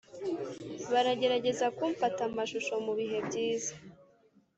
Baragerageza kumfata amashusho mu bihe byiza